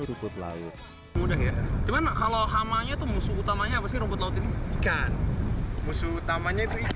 terutama ikan barona